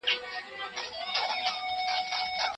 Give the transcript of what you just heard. تر را پاڅيدو وروسته مي د الله تعالی څخه د توفيق غوښتنه وکړه.